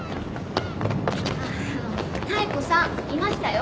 あっ妙子さんいましたよ。